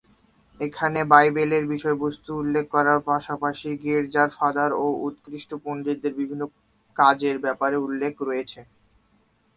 এখানে বাইবেলের বিষয়বস্তু উল্লেখ করার পাশাপাশি গীর্জার ফাদার ও উৎকৃষ্ট পন্ডিতদের বিভিন্ন কাজের ব্যাপারে উল্লেখ রয়েছে।